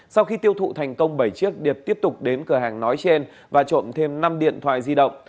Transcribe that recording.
sau khi tiêu thụ thành công bảy chiếc điệp tiếp tục đến cửa hàng nói trên và trộm thêm năm điện thoại di động